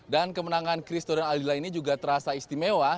dan kemenangan christopher dan aldila ini juga terasa istimewa